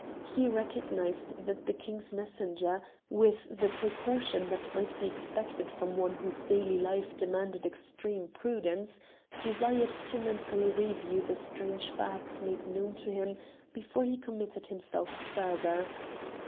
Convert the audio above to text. He recognized that the King's messenger, with the precaution that might be expected from one whose daily life demanded extreme prudence, desired to mentally review the strange facts made known to him before he committed himself further.